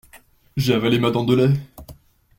J'ai avalé ma dent de lait.